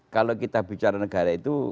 kalau kita bicara negara itu